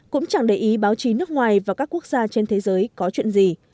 cũng chẳng để ý báo chí nước ngoài và các quốc gia trên thế giới có chuyện gì